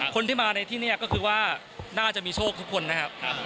คนที่มาในที่นี่ก็คือว่าน่าจะมีโชคทุกคนนะครับ